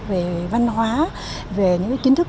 về văn hóa về những cái kiến thức